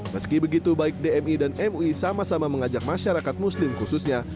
meski begitu baik dmi dan mui sama sama mengajak masyarakat muslim khususnya